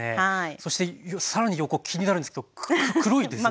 そして更に横気になるんですけど黒いですね。